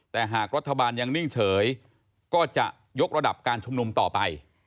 แต่หากรัฐบาลยังนิ่งเฉยก็จะยกระดับการชุมนุมต่อไป